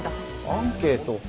アンケート